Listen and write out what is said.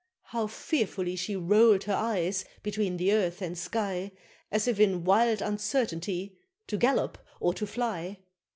How fearfully she roll'd her eyes between the earth and sky, As if in wild uncertainty to gallop or to fly!